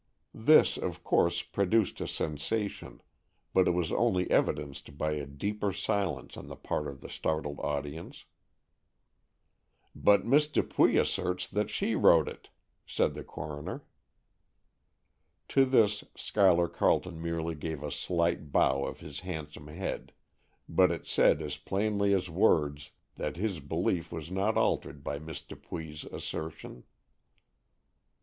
This, of course, produced a sensation, but it was only evidenced by a deeper silence on the part of the startled audience. "But Miss Dupuy asserts that she wrote it," said the coroner. To this Schuyler Carleton merely gave a slight bow of his handsome head, but it said as plainly as words that his belief was not altered by Miss Dupuy's assertion.